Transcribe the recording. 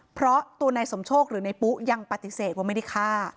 เพราะตัวนายสมโชคหรือในปุ๊ยังปฏิเสธว่าไม่ได้ฆ่า